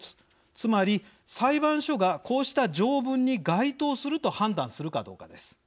つまり裁判所がこうした条文に該当すると判断するかどうかです。